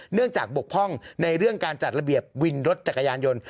จากบกพร่องในเรื่องการจัดระเบียบวินรถจักรยานยนต์